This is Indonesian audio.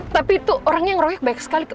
tapi itu orangnya yang royak baik sekali